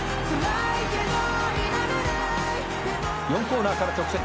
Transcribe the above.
「４コーナーから直線